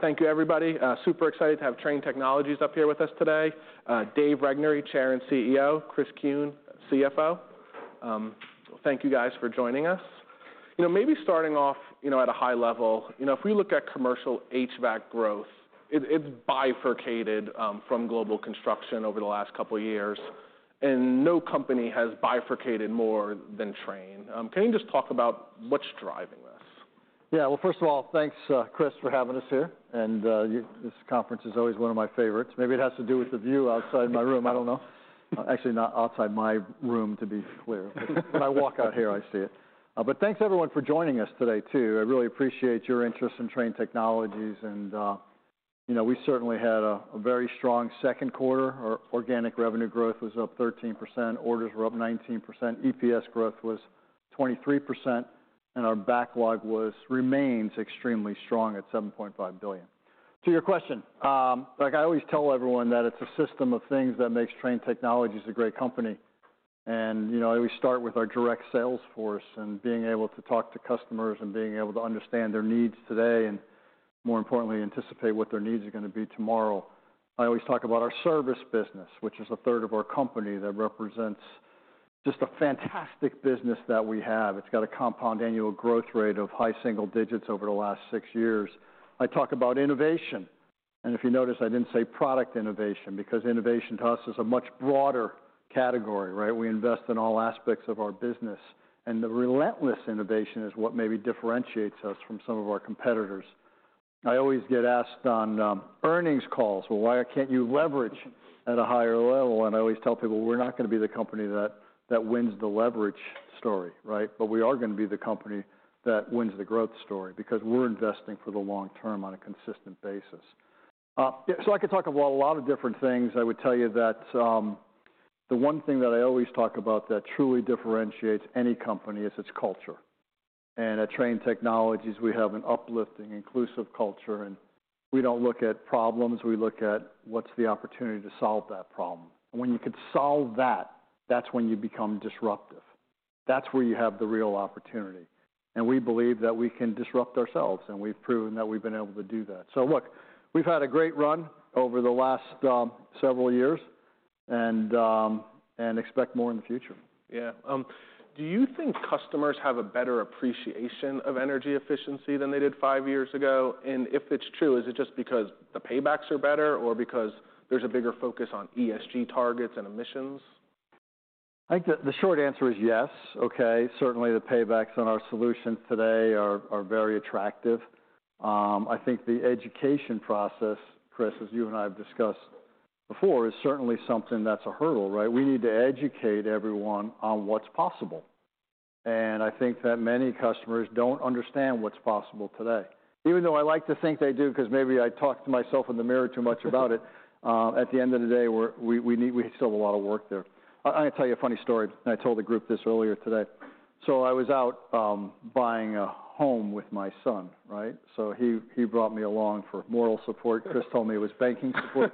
Thank you everybody. Super excited to have Trane Technologies up here with us today. Dave Regnery, Chair and CEO, Chris Kuhn, CFO. Thank you guys for joining us. You know, maybe starting off, you know, at a high level, you know, if we look at commercial HVAC growth, it bifurcated from global construction over the last couple of years, and no company has bifurcated more than Trane. Can you just talk about what's driving this? Yeah. Well, first of all, thanks, Chris, for having us here, and this conference is always one of my favorites. Maybe it has to do with the view outside my room, I don't know. Actually, not outside my room, to be clear. When I walk out here, I see it. But thanks, everyone, for joining us today, too. I really appreciate your interest in Trane Technologies, and you know, we certainly had a very strong second quarter. Our organic revenue growth was up 13%, orders were up 19%, EPS growth was 23%, and our backlog remains extremely strong at $7.5 billion. To your question, like I always tell everyone, that it's a system of things that makes Trane Technologies a great company. And, you know, we start with our direct sales force, and being able to talk to customers, and being able to understand their needs today, and more importantly, anticipate what their needs are gonna be tomorrow. I always talk about our service business, which is a third of our company, that represents just a fantastic business that we have. It's got a compound annual growth rate of high single digits over the last six years. I talk about innovation, and if you notice, I didn't say product innovation, because innovation to us is a much broader category, right? We invest in all aspects of our business, and the relentless innovation is what maybe differentiates us from some of our competitors. I always get asked on earnings calls, "Well, why can't you leverage at a higher level?" And I always tell people, "We're not gonna be the company that wins the leverage story, right? But we are gonna be the company that wins the growth story, because we're investing for the long term on a consistent basis." So I could talk about a lot of different things. I would tell you that the one thing that I always talk about that truly differentiates any company is its culture. And at Trane Technologies, we have an uplifting, inclusive culture, and we don't look at problems, we look at what's the opportunity to solve that problem. When you can solve that, that's when you become disruptive. That's where you have the real opportunity, and we believe that we can disrupt ourselves, and we've proven that we've been able to do that. So look, we've had a great run over the last several years, and expect more in the future. Yeah. Do you think customers have a better appreciation of energy efficiency than they did five years ago? And if it's true, is it just because the paybacks are better, or because there's a bigger focus on ESG targets and emissions? I think the short answer is yes. Okay, certainly the paybacks on our solutions today are very attractive. I think the education process, Chris, as you and I have discussed before, is certainly something that's a hurdle, right? We need to educate everyone on what's possible, and I think that many customers don't understand what's possible today. Even though I like to think they do, 'cause maybe I talk to myself in the mirror too much about it, at the end of the day, we still have a lot of work there. I'll tell you a funny story, and I told a group this earlier today. So I was out buying a home with my son, right? So he brought me along for moral support. Chris told me it was banking support.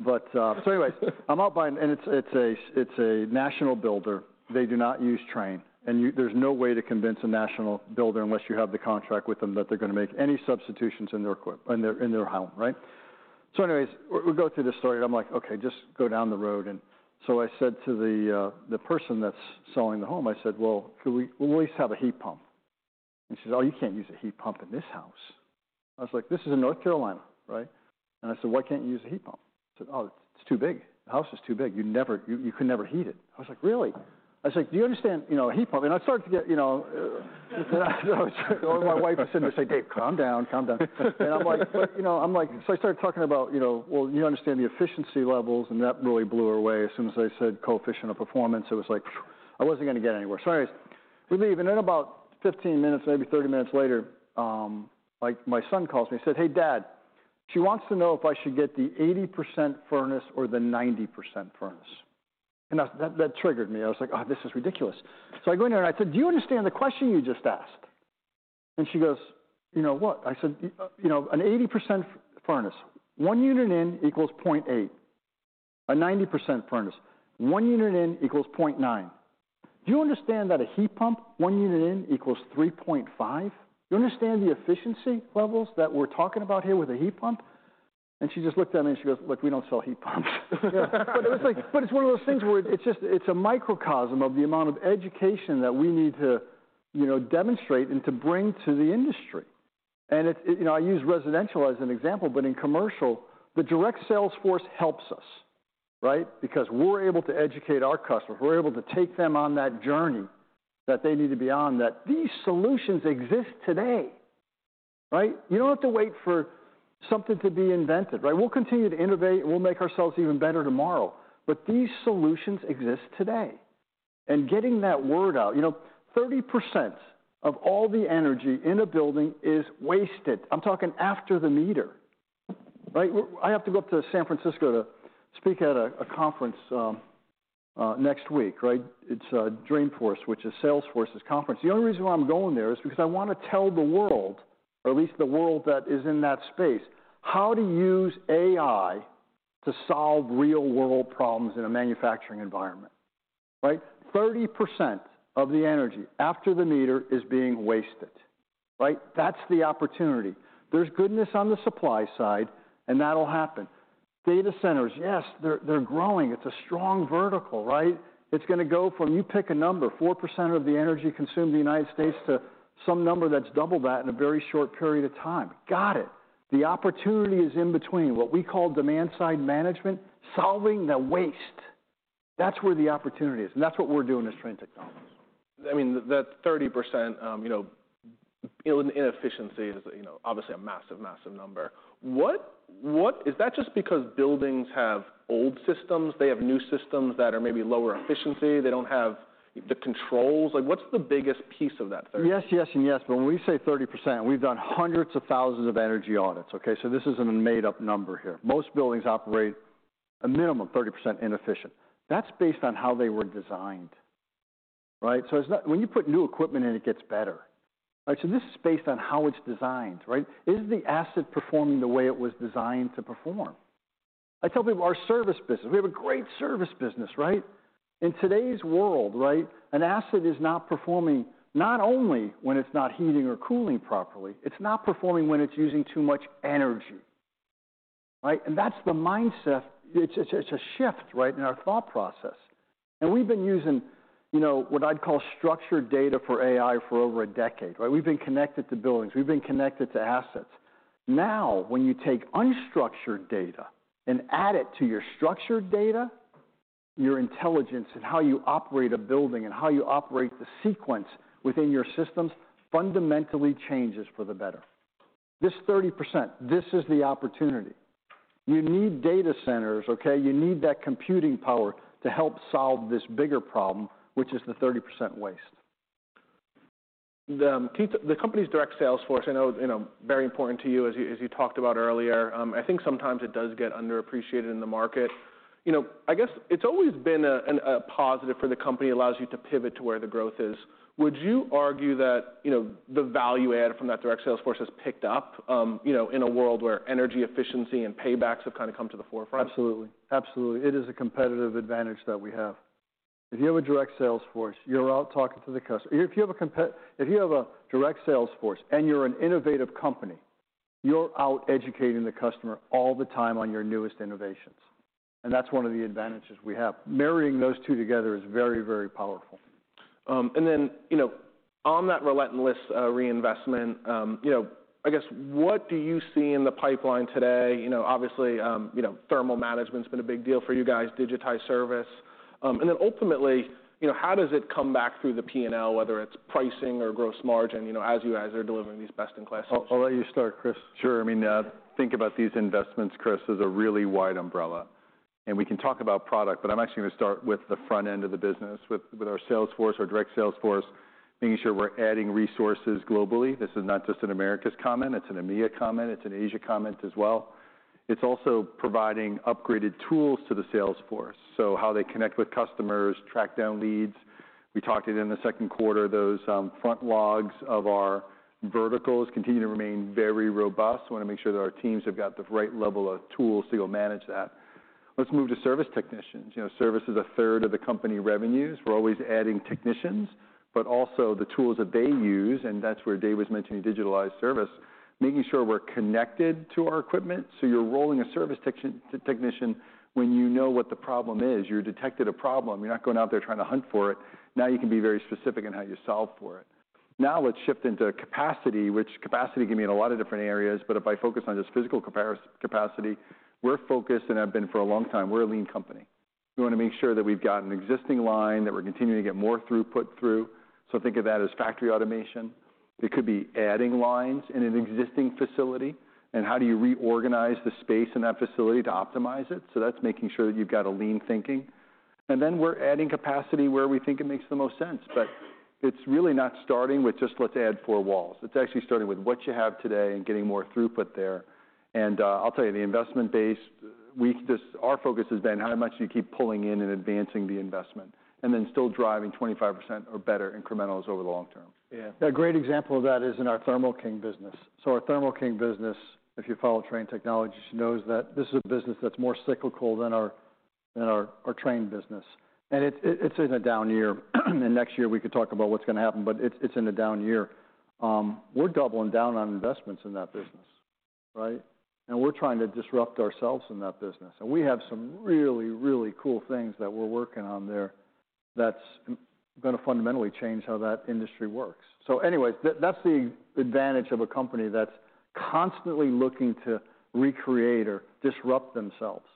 But so anyways, I'm out buying... It's a national builder. They do not use Trane, and there's no way to convince a national builder, unless you have the contract with them, that they're gonna make any substitutions in their home, right? So anyways, we'll go through this story, and I'm like, "Okay, just go down the road." And so I said to the person that's selling the home, I said, "Well, could we at least have a heat pump?" He says, "Oh, you can't use a heat pump in this house." I was like, "This is in North Carolina, right?" And I said, "Why can't you use a heat pump?" He said, "Oh, it's too big. The house is too big. You'd never... you could never heat it." I was like, "Really?" I was like, "Do you understand, you know, a heat pump..." And I started to get, you know, my wife sitting there saying, "Dave, calm down, calm down." And I'm like, "But you know," I'm like... So I started talking about, "You know, well, you understand the efficiency levels," and that really blew her away as soon as I said, "Coefficient of performance," it was like, phew, I wasn't gonna get anywhere. So anyways, we leave, and then about 15 minutes, maybe 30 minutes later, my son calls me and says, "Hey, Dad, she wants to know if I should get the 80% furnace or the 90% furnace." And that triggered me. I was like, "Oh, this is ridiculous." So I go in there, and I said, "Do you understand the question you just asked?" And she goes, "You know, what?" I said, "You know, an 80% furnace, one unit in equals 0.8. A 90% furnace, one unit in equals 0.9. Do you understand that a heat pump, one unit in equals 3.5? Do you understand the efficiency levels that we're talking about here with a heat pump?" And she just looked at me, and she goes, "Look, we don't sell heat pumps." But it was like, but it's one of those things where it's just, it's a microcosm of the amount of education that we need to, you know, demonstrate and to bring to the industry. And it, you know, I use residential as an example, but in commercial, the direct sales force helps us, right? Because we're able to educate our customers. We're able to take them on that journey that they need to be on, that these solutions exist today, right? You don't have to wait for something to be invented, right? We'll continue to innovate, and we'll make ourselves even better tomorrow, but these solutions exist today. And getting that word out. You know, 30% of all the energy in a building is wasted. I'm talking after the meter, right? I have to go up to San Francisco to speak at a conference next week, right? It's Dreamforce, which is Salesforce's conference. The only reason why I'm going there is because I wanna tell the world, or at least the world that is in that space, how to use AI to solve real-world problems in a manufacturing environment.... Right? 30% of the energy after the meter is being wasted, right? That's the opportunity. There's goodness on the supply side, and that'll happen. Data centers, yes, they're, they're growing. It's a strong vertical, right? It's gonna go from, you pick a number, 4% of the energy consumed in the United States to some number that's double that in a very short period of time. Got it! The opportunity is in between, what we call demand side management, solving the waste. That's where the opportunity is, and that's what we're doing as Trane Technologies. I mean, that 30%, you know, in efficiency is, you know, obviously a massive, massive number. What... is that just because buildings have old systems, they have new systems that are maybe lower efficiency, they don't have the controls? Like, what's the biggest piece of that 30? Yes, yes, and yes, but when we say 30%, we've done hundreds of thousands of energy audits, okay? So this isn't a made-up number here. Most buildings operate a minimum 30% inefficient. That's based on how they were designed, right? So it's not. When you put new equipment in, it gets better. Right, so this is based on how it's designed, right? Is the asset performing the way it was designed to perform? I tell people, our service business, we have a great service business, right? In today's world, right, an asset is not performing, not only when it's not heating or cooling properly, it's not performing when it's using too much energy, right? And that's the mindset. It's a shift, right, in our thought process. And we've been using, you know, what I'd call structured data for AI for over a decade, right? We've been connected to buildings. We've been connected to assets. Now, when you take unstructured data and add it to your structured data, your intelligence in how you operate a building and how you operate the sequence within your systems fundamentally changes for the better. This 30%, this is the opportunity. You need data centers, okay? You need that computing power to help solve this bigger problem, which is the 30% waste. The company's direct sales force, I know, you know, very important to you, as you talked about earlier. I think sometimes it does get underappreciated in the market. You know, I guess it's always been a positive for the company, allows you to pivot to where the growth is. Would you argue that, you know, the value add from that direct sales force has picked up, you know, in a world where energy efficiency and paybacks have kind of come to the forefront? Absolutely. Absolutely. It is a competitive advantage that we have. If you have a direct sales force, you're out talking to the customer. If you have a direct sales force and you're an innovative company, you're out educating the customer all the time on your newest innovations, and that's one of the advantages we have. Marrying those two together is very, very powerful. And then, you know, on that relentless reinvestment, you know, I guess, what do you see in the pipeline today? You know, obviously, you know, thermal management's been a big deal for you guys, digitized service. And then ultimately, you know, how does it come back through the P&L, whether it's pricing or gross margin, you know, as you guys are delivering these best-in-class? I'll let you start, Chris. Sure. I mean, think about these investments, Chris, as a really wide umbrella. We can talk about product, but I'm actually going to start with the front end of the business, with our sales force, our direct sales force, making sure we're adding resources globally. This is not just an Americas comment. It's an EMEA comment. It's an Asia comment as well. It's also providing upgraded tools to the sales force, so how they connect with customers, track down leads. We talked about it in the second quarter. Those backlogs of our verticals continue to remain very robust. We wanna make sure that our teams have got the right level of tools to go manage that. Let's move to service technicians. You know, service is a third of the company's revenues. We're always adding technicians, but also the tools that they use, and that's where Dave was mentioning digitalized service, making sure we're connected to our equipment, so you're rolling a service technician when you know what the problem is. You detected a problem. You're not going out there trying to hunt for it. Now, you can be very specific in how you solve for it. Now, let's shift into capacity, which capacity can mean a lot of different areas, but if I focus on just physical capacity, we're focused, and have been for a long time. We're a lean company. We wanna make sure that we've got an existing line, that we're continuing to get more throughput through, so think of that as factory automation. It could be adding lines in an existing facility, and how do you reorganize the space in that facility to optimize it? That's making sure that you've got a lean thinking. And then we're adding capacity where we think it makes the most sense. But it's really not starting with just, "Let's add four walls." It's actually starting with what you have today and getting more throughput there. And, I'll tell you, the investment base. Our focus has been, how much do you keep pulling in and advancing the investment, and then still driving 25% or better incrementals over the long term? Yeah. A great example of that is in our Thermo King business. So our Thermo King business, if you follow Trane Technologies, you knows that this is a business that's more cyclical than our Trane business. And it's in a down year. And next year, we can talk about what's gonna happen, but it's in a down year. We're doubling down on investments in that business, right? And we're trying to disrupt ourselves in that business, and we have some really, really cool things that we're working on there that's gonna fundamentally change how that industry works. So anyways, that's the advantage of a company that's constantly looking to recreate or disrupt themselves.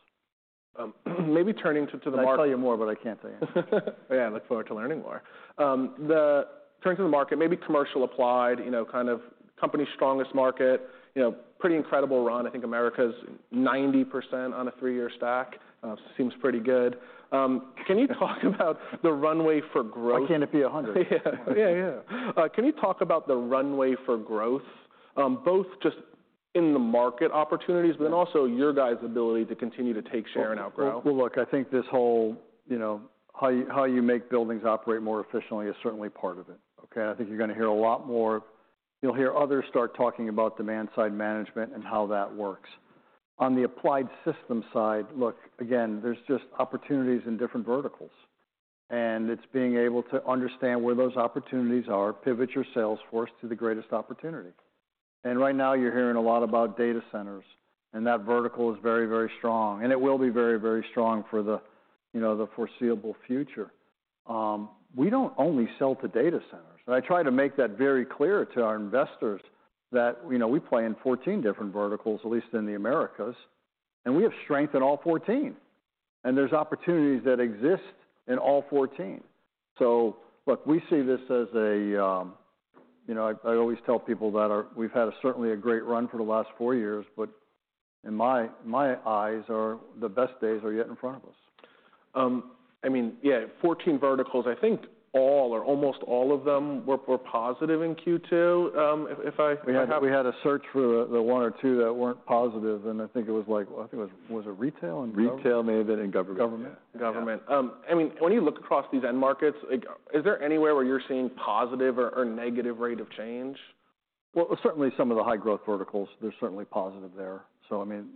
Maybe turning to the market- I'd tell you more, but I can't tell you. Yeah, look forward to learning more. Turning to the market, maybe commercial applied, you know, kind of company's strongest market. You know, pretty incredible run. I think Americas 90% on a three-year stack, seems pretty good. Can you talk about the runway for growth? Why can't it be a hundred? Yeah. Yeah, yeah. Can you talk about the runway for growth, both just in the market opportunities- Yeah... but then also your guys' ability to continue to take share and outgrow? Look, I think this whole, you know, how you, how you make buildings operate more efficiently is certainly part of it, okay? I think you're gonna hear a lot more. You'll hear others start talking about demand-side management and how that works... On the applied systems side, look, again, there's just opportunities in different verticals, and it's being able to understand where those opportunities are, pivot your sales force to the greatest opportunity, and right now, you're hearing a lot about data centers, and that vertical is very, very strong, and it will be very, very strong for the, you know, the foreseeable future. We don't only sell to data centers, and I try to make that very clear to our investors that, you know, we play in 14 different verticals, at least in the Americas, and we have strength in all 14, and there's opportunities that exist in all 14. So, look, we see this as a, you know, I always tell people that we've had certainly a great run for the last 4 years, but in my eyes, the best days are yet in front of us. I mean, yeah, 14 verticals. I think all or almost all of them were positive in Q2, if I- We had to search for the one or two that weren't positive, and I think it was like... I think it was, was it retail and government? Retail, may have been, and government. Government. Government. I mean, when you look across these end markets, like, is there anywhere where you're seeing positive or negative rate of change? Certainly some of the high growth verticals, they're certainly positive there. So I mean,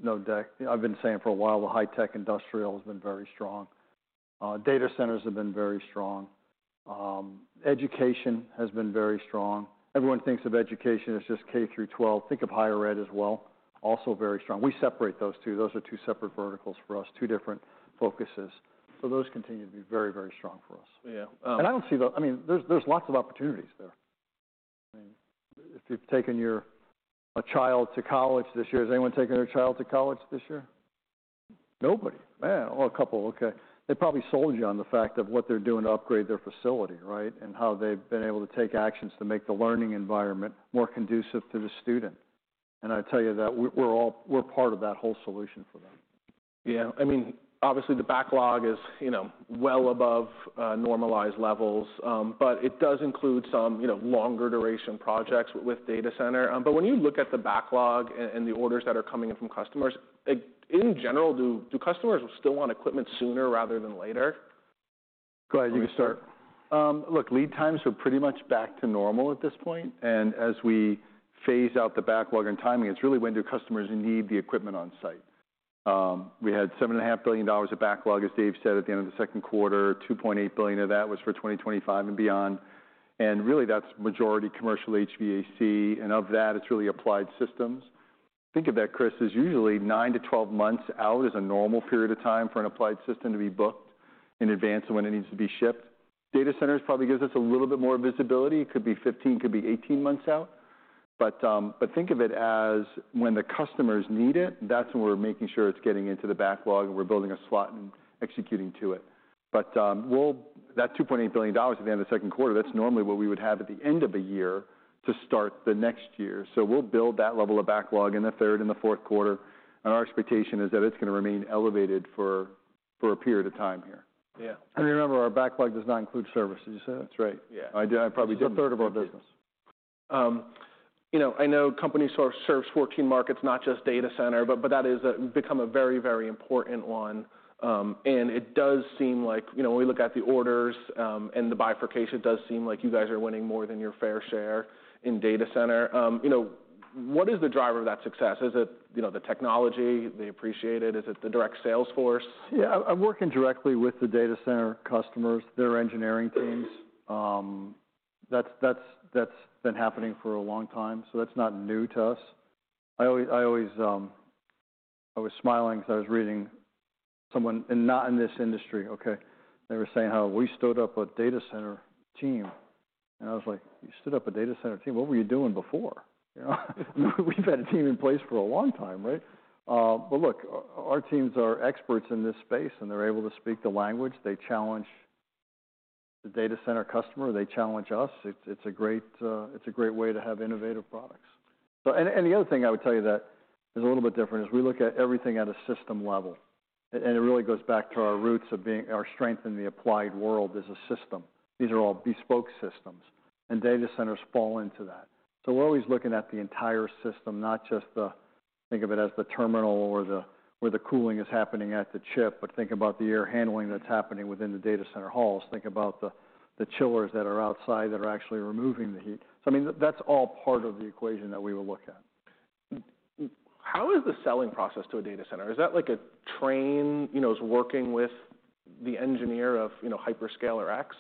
I've been saying for a while, the high tech industrial has been very strong. Data centers have been very strong. Education has been very strong. Everyone thinks of education as just K through twelve. Think of higher ed as well, also very strong. We separate those two. Those are two separate verticals for us, two different focuses. So those continue to be very, very strong for us. Yeah, um- And I don't see the... I mean, there's lots of opportunities there. I mean, if you've taken your child to college this year... Has anyone taken their child to college this year? Nobody? Man. Oh, a couple, okay. They probably sold you on the fact of what they're doing to upgrade their facility, right? And how they've been able to take actions to make the learning environment more conducive to the student. And I tell you that we're all part of that whole solution for them. Yeah. I mean, obviously, the backlog is, you know, well above normalized levels. But it does include some, you know, longer duration projects with data center. But when you look at the backlog and the orders that are coming in from customers, like, in general, do customers still want equipment sooner rather than later? Go ahead, you start. Look, lead times are pretty much back to normal at this point, and as we phase out the backlog and timing, it's really when do customers need the equipment on site. We had $7.5 billion of backlog, as Dave said, at the end of the second quarter, 2.8 billion of that was for 2025 and beyond. And really, that's majority commercial HVAC, and of that, it's really applied systems. Think of that, Chris, as usually nine to 12 months out is a normal period of time for an applied system to be booked in advance of when it needs to be shipped. Data centers probably gives us a little bit more visibility. It could be 15, could be 18 months out. But think of it as when the customers need it, that's when we're making sure it's getting into the backlog, and we're building a slot and executing to it. But that $2.8 billion at the end of the second quarter, that's normally what we would have at the end of a year to start the next year. So we'll build that level of backlog in the third and the fourth quarter, and our expectation is that it's gonna remain elevated for a period of time here. Yeah. Remember, our backlog does not include services. That's right. Yeah. I did. It's a third of our business. You know, I know the company sort of serves 14 markets, not just data center, but that has become a very, very important one. And it does seem like, you know, when we look at the orders and the bifurcation, it does seem like you guys are winning more than your fair share in data center. You know, what is the driver of that success? Is it, you know, the technology they appreciate it? Is it the direct sales force? Yeah, I'm working directly with the data center customers, their engineering teams. That's been happening for a long time, so that's not new to us. I was smiling because I was reading someone, and not in this industry, okay? They were saying how we stood up a data center team, and I was like: "You stood up a data center team? What were you doing before?" You know, we've had a team in place for a long time, right? But look, our teams are experts in this space, and they're able to speak the language. They challenge the data center customer. They challenge us. It's a great way to have innovative products. And the other thing I would tell you that is a little bit different is, we look at everything at a system level. And it really goes back to our roots of being our strength in the applied world as a system. These are all bespoke systems, and data centers fall into that. So we're always looking at the entire system, not just the, think of it as the terminal or the where the cooling is happening at the chip, but think about the air handling that's happening within the data center halls. Think about the chillers that are outside that are actually removing the heat. So I mean, that's all part of the equation that we will look at. How is the selling process to a data center? Is that like at Trane, you know, is working with the engineer of, you know, Hyperscaler X?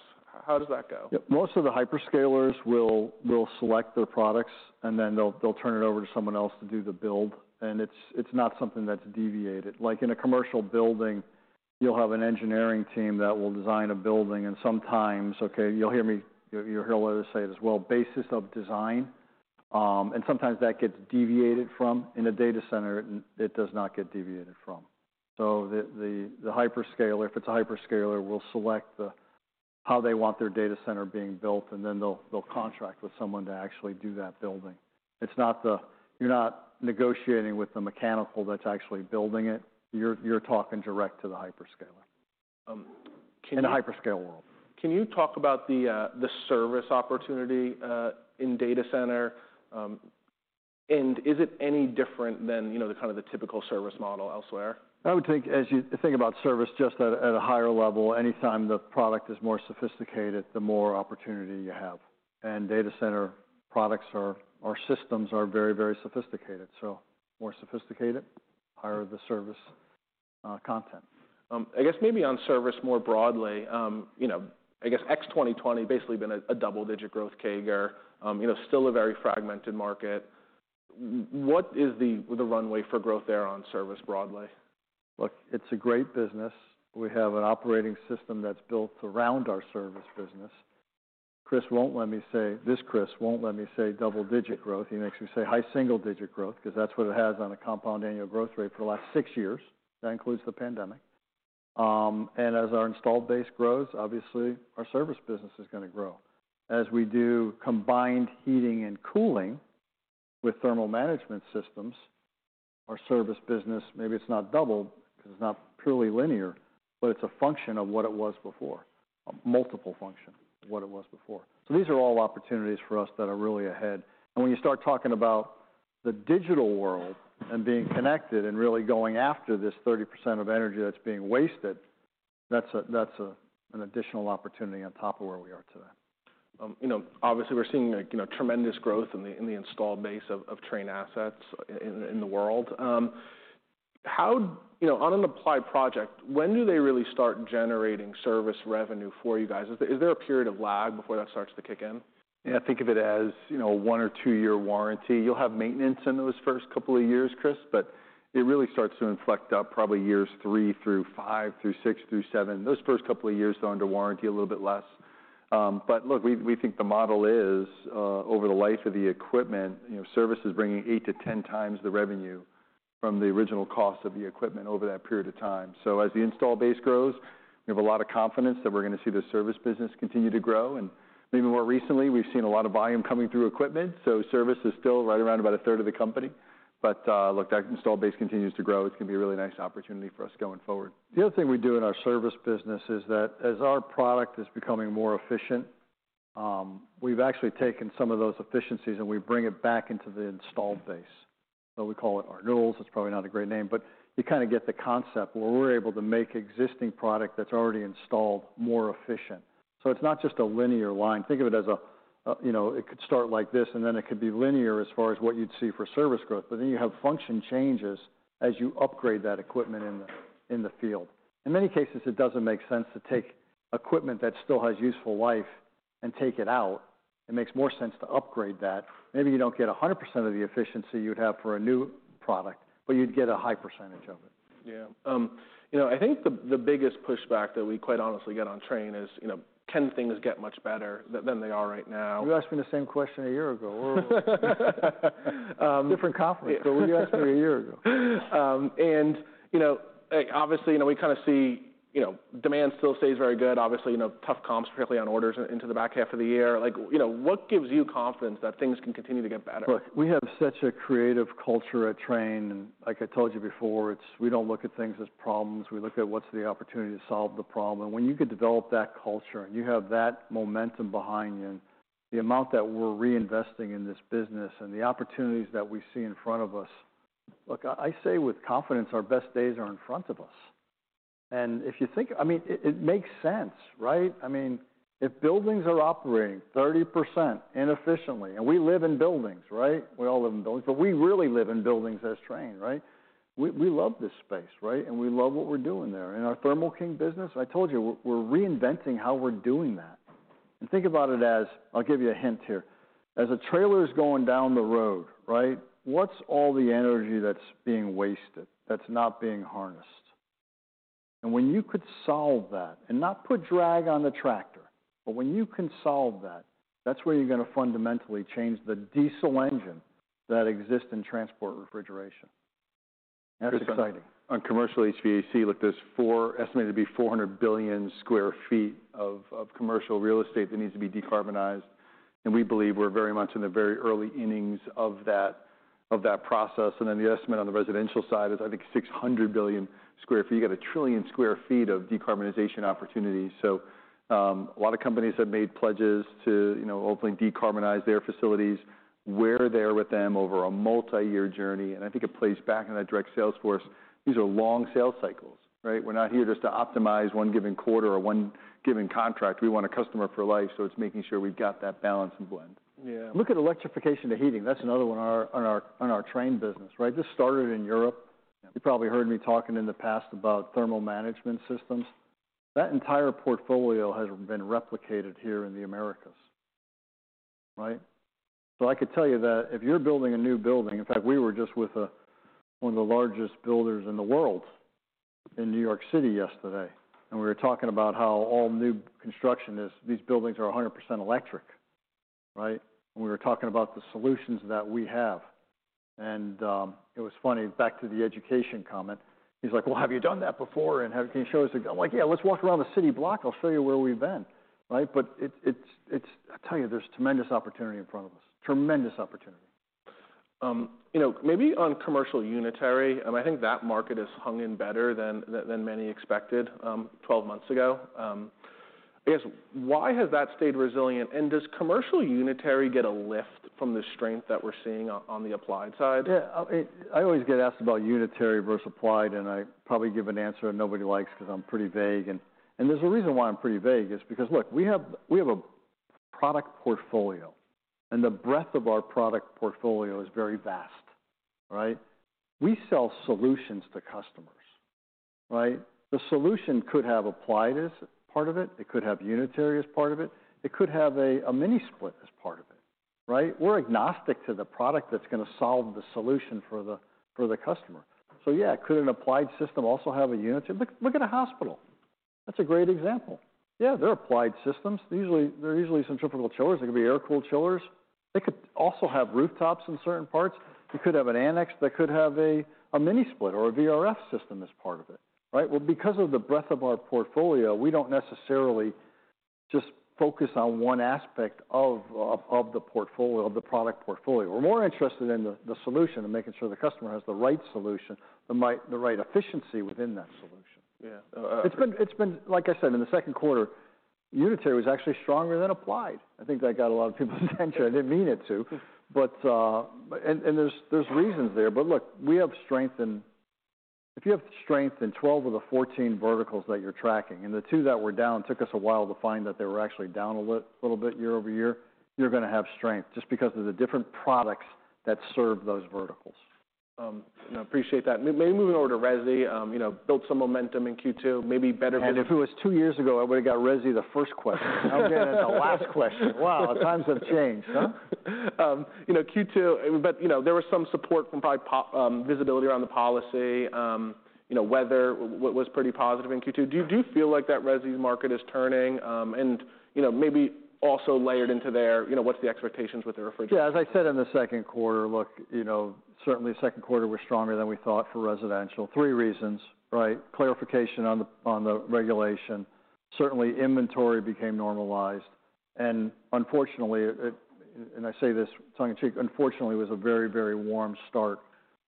How does that go? Yep, most of the hyperscalers will select their products, and then they'll turn it over to someone else to do the build, and it's not something that's deviated. Like in a commercial building, you'll have an engineering team that will design a building, and sometimes you'll hear me. You'll hear others say it as well, basis of design, and sometimes that gets deviated from. In a data center, it does not get deviated from. So the hyperscaler, if it's a hyperscaler, will select how they want their data center being built, and then they'll contract with someone to actually do that building. It's not the... You're not negotiating with the mechanical that's actually building it. You're talking direct to the hyperscaler. Can you- In a hyperscale world. Can you talk about the service opportunity in data center? And is it any different than, you know, the kind of the typical service model elsewhere? I would think as you think about service just at a higher level, anytime the product is more sophisticated, the more opportunity you have. And data center products are, or systems are very, very sophisticated. So more sophisticated, higher the service.... content. I guess maybe on service more broadly, you know, I guess ex-2020 basically been a double-digit growth CAGR. You know, still a very fragmented market. What is the runway for growth there on service broadly? Look, it's a great business. We have an operating system that's built around our service business. Chris won't let me say... This Chris won't let me say double-digit growth. He makes me say high single-digit growth, 'cause that's what it has on a compound annual growth rate for the last six years. That includes the pandemic, and as our installed base grows, obviously, our service business is gonna grow. As we do combined heating and cooling with thermal management systems, our service business, maybe it's not double, 'cause it's not purely linear, but it's a function of what it was before, a multiple function of what it was before. So these are all opportunities for us that are really ahead. When you start talking about the digital world, and being connected, and really going after this 30% of energy that's being wasted, that's an additional opportunity on top of where we are today. You know, obviously, we're seeing, like, you know, tremendous growth in the installed base of Trane assets in the world. How... You know, on an applied project, when do they really start generating service revenue for you guys? Is there a period of lag before that starts to kick in? Yeah, think of it as, you know, a one- or two-year warranty. You'll have maintenance in those first couple of years, Chris, but it really starts to inflect up probably years three through five, through six, through seven. Those first couple of years, they're under warranty, a little bit less. But look, we think the model is, over the life of the equipment, you know, service is bringing eight to ten times the revenue from the original cost of the equipment over that period of time. So as the install base grows, we have a lot of confidence that we're gonna see the service business continue to grow, and maybe more recently, we've seen a lot of volume coming through equipment, so service is still right around about a third of the company. But look, that install base continues to grow. It's gonna be a really nice opportunity for us going forward. The other thing we do in our service business is that, as our product is becoming more efficient, we've actually taken some of those efficiencies, and we bring it back into the installed base. So we call it our noodles. It's probably not a great name, but you kind of get the concept, where we're able to make existing product that's already installed more efficient. So it's not just a linear line. Think of it as a you know, it could start like this, and then it could be linear as far as what you'd see for service growth, but then you have function changes as you upgrade that equipment in the field. In many cases, it doesn't make sense to take equipment that still has useful life and take it out. It makes more sense to upgrade that. Maybe you don't get 100% of the efficiency you'd have for a new product, but you'd get a high percentage of it. Yeah. You know, I think the biggest pushback that we quite honestly get on Trane is, you know, can things get much better than they are right now? You asked me the same question a year ago. Um- Different conference, but you asked me a year ago. And, you know, like, obviously, you know, we kind of see, you know, demand still stays very good. Obviously, you know, tough comps, particularly on orders into the back half of the year. Like, you know, what gives you confidence that things can continue to get better? Look, we have such a creative culture at Trane, and like I told you before, it's, we don't look at things as problems. We look at what's the opportunity to solve the problem. When you could develop that culture, and you have that momentum behind you, and the amount that we're reinvesting in this business and the opportunities that we see in front of us, look, I, I say with confidence, our best days are in front of us. And if you think... I mean, it, it makes sense, right? I mean, if buildings are operating 30% inefficiently, and we live in buildings, right? We all live in buildings, but we really live in buildings as Trane, right? We, we love this space, right? And we love what we're doing there. In our Thermo King business, I told you, we're, we're reinventing how we're doing that. Think about it as, I'll give you a hint here, as a trailer's going down the road, right, what's all the energy that's being wasted, that's not being harnessed? When you could solve that and not put drag on the tractor, but when you can solve that, that's where you're gonna fundamentally change the diesel engine that exists in transport refrigeration. That's exciting. On commercial HVAC, look, there's estimated to be 400 billion sq ft of commercial real estate that needs to be decarbonized, and we believe we're very much in the very early innings of that process, and then the estimate on the residential side is, I think, 600 billion sq ft. You got a trillion sq ft of decarbonization opportunities, so a lot of companies have made pledges to, you know, hopefully decarbonize their facilities. We're there with them over a multi-year journey, and I think it plays back in that direct sales force. These are long sales cycles, right? We're not here just to optimize one given quarter or one given contract. We want a customer for life, so it's making sure we've got that balance and blend. Yeah. Look at electrification of heating. That's another one on our Trane business, right? This started in Europe. Yeah. You probably heard me talking in the past about thermal management systems. That entire portfolio has been replicated here in the Americas, right? So I could tell you that if you're building a new building... In fact, we were just with one of the largest builders in the world, in New York City yesterday, and we were talking about how all new construction is, these buildings are 100% electric, right? And we were talking about the solutions that we have. And it was funny, back to the education comment. He's like: "Well, have you done that before, can you show us?" I'm like: "Yeah, let's walk around the city block. I'll show you where we've been." Right? But it's, I tell you, there's tremendous opportunity in front of us. Tremendous opportunity. You know, maybe on commercial unitary, and I think that market has hung in better than many expected, twelve months ago. I guess, why has that stayed resilient, and does commercial unitary get a lift from the strength that we're seeing on the applied side? Yeah, I always get asked about unitary versus applied, and I probably give an answer that nobody likes because I'm pretty vague. And there's a reason why I'm pretty vague, is because, look, we have product portfolio and the breadth of our product portfolio is very vast, right? We sell solutions to customers, right? The solution could have Applied as part of it, it could have Unitary as part of it, it could have a mini split as part of it, right? We're agnostic to the product that's gonna solve the solution for the customer. So yeah, could an Applied system also have a Unitary? Look at a hospital. That's a great example. Yeah, they're Applied systems. Usually, they're centrifugal chillers. They could be air-cooled chillers. They could also have rooftops in certain parts. They could have an annex that could have a mini split or a VRF system as part of it, right? Because of the breadth of our portfolio, we don't necessarily just focus on one aspect of the portfolio, of the product portfolio. We're more interested in the solution and making sure the customer has the right solution, the right efficiency within that solution. Yeah, uh- It's been, like I said, in the second quarter, Unitary was actually stronger than Applied. I think that got a lot of people's attention. I didn't mean it to, but. And there's reasons there. But look, we have strength in. If you have strength in 12 of the 14 verticals that you're tracking, and the two that were down took us a while to find that they were actually down a little bit year over year, you're gonna have strength, just because of the different products that serve those verticals. I appreciate that. Maybe moving over to resi. You know, built some momentum in Q2, maybe better- And if it was two years ago, I would've got residential the first question. Now I'm getting it as the last question. Wow, the times have changed, huh? You know, Q2, but, you know, there was some support from probably visibility around the policy. You know, weather was pretty positive in Q2. Do you feel like that resi market is turning? And, you know, maybe also layered into there, you know, what's the expectations with the refrigerator? Yeah, as I said in the second quarter, look, you know, certainly the second quarter was stronger than we thought for residential. Three reasons, right? Clarification on the, on the regulation. Certainly, inventory became normalized, and unfortunately, it, and I say this tongue in cheek, unfortunately, it was a very, very warm start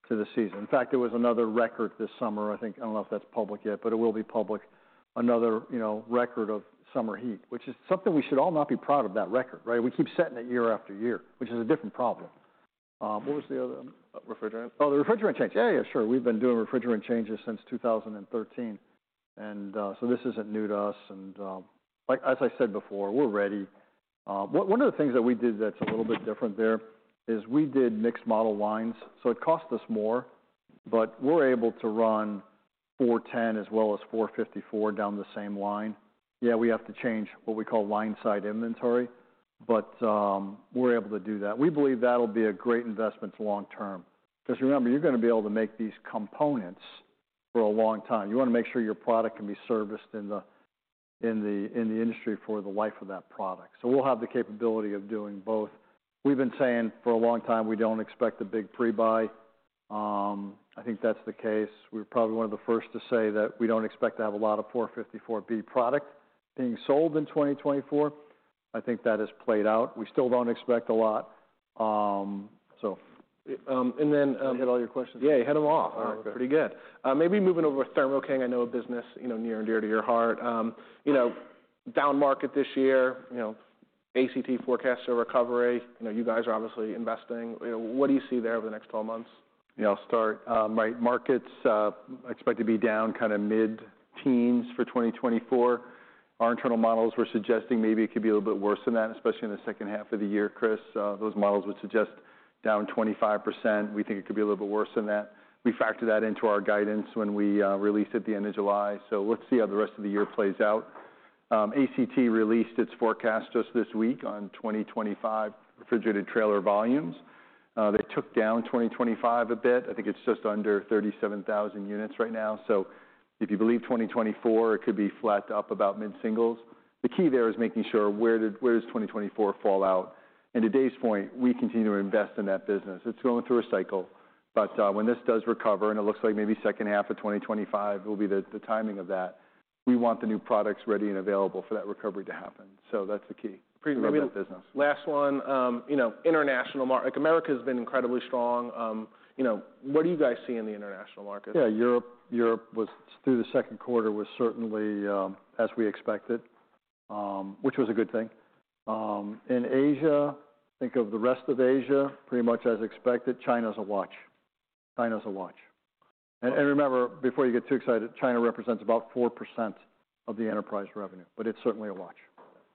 to the season. In fact, it was another record this summer, I think. I don't know if that's public yet, but it will be public. Another, you know, record of summer heat, which is something we should all not be proud of that record, right? We keep setting it year after year, which is a different problem. What was the other? Refrigerant. Oh, the refrigerant change. Yeah, yeah. Sure. We've been doing refrigerant changes since 2013, and so this isn't new to us. And, like, as I said before, we're ready. One of the things that we did that's a little bit different there is we did mixed model lines, so it cost us more, but we're able to run 410 as well as 454 down the same line. Yeah, we have to change what we call line-side inventory, but we're able to do that. We believe that'll be a great investment for long-term. Because remember, you're gonna be able to make these components for a long time. You wanna make sure your product can be serviced in the industry for the life of that product. So we'll have the capability of doing both. We've been saying for a long time we don't expect a big pre-buy. I think that's the case. We're probably one of the first to say that we don't expect to have a lot of 454B product being sold in 2024. I think that has played out. We still don't expect a lot. So... And then, Did I hit all your questions? Yeah, you hit them all. All right. Pretty good. Maybe moving over to Thermo King. I know a business, you know, near and dear to your heart. You know, down market this year, you know, ACT forecasts a recovery. You know, you guys are obviously investing. You know, what do you see there over the next twelve months? Yeah, I'll start. My markets, I expect to be down kind of mid-teens for 2024. Our internal models, we're suggesting maybe it could be a little bit worse than that, especially in the second half of the year, Chris. Those models would suggest down 25%. We think it could be a little bit worse than that. We factored that into our guidance when we released at the end of July. So let's see how the rest of the year plays out. ACT released its forecast just this week on 2025 refrigerated trailer volumes. They took down 2025 a bit. I think it's just under 37,000 units right now. So if you believe 2024, it could be flat to up about mid-singles. The key there is making sure where does 2024 fall out? Today's point, we continue to invest in that business. It's going through a cycle, but when this does recover, and it looks like maybe second half of 2025 will be the timing of that, we want the new products ready and available for that recovery to happen. So that's the key- Pretty- For that business. Last one, you know, international market. Like, America has been incredibly strong. You know, what do you guys see in the international market? Yeah, Europe was, through the second quarter, certainly as we expected, which was a good thing. In Asia, I think, the rest of Asia pretty much as expected. China's a watch. And remember, before you get too excited, China represents about 4% of the enterprise revenue, but it's certainly a watch.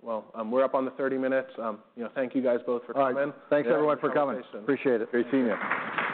We're up on the 30 minutes. You know, thank you guys both for coming. All right. Thanks, everyone, for coming. Appreciate it. Great seeing you. Thank you.